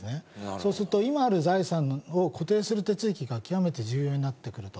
そうすると、今ある財産を固定する手続きが極めて重要になってくると。